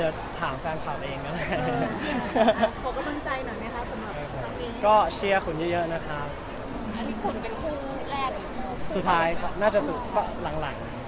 สุดท้ายน่าจะคู่หลัง